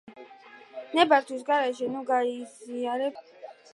ნებართვის გარეშე ნუ ,გააზიარებთ სხვის ფოტოებს